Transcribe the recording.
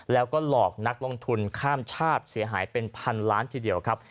แล้วก็หลอกนักลงทุนข้ามชาติเสียหายเป็นพันล้านทีเดียวครับ